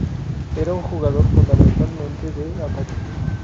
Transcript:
Era un jugador fundamentalmente de ataque.